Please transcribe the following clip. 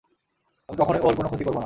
আমি কখনোই ওর কোনো ক্ষতি করবো না।